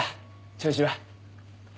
調子は。